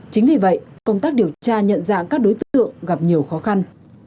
chính vì vậy công tác điều tra nhận dạng các đối tượng gặp nhiều khó khăn